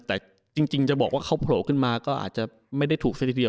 แต่จริงจะบอกว่าเขาโผล่ขึ้นมาก็อาจจะไม่ได้ถูกซะทีเดียว